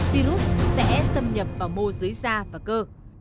virus sẽ xâm nhập vào mô dưới da và cơ